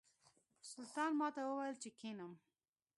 سلطان ماته وویل چې کښېنم.